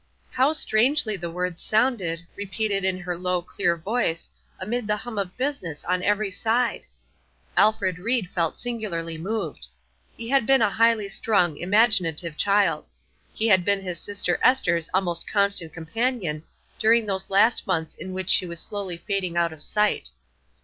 How strangely the words sounded, repeated in her low, clear voice, amid the hum of business on every side! Alfred Ried felt singularly moved. He had been a highly strung, imaginative child. He had been his sister Ester's almost constant companion during those last months in which she was slowly fading out of sight.